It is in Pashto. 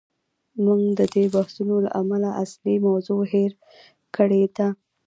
موږ د دې بحثونو له امله اصلي موضوع هیر کړې ده.